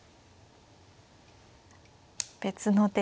別の手で。